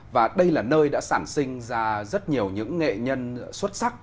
và đây là nơi đã sản sinh ra rất nhiều những nghệ nhân xuất sắc